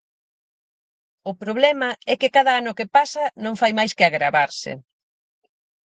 O problema é que cada ano que pasa non fai máis que agravarse.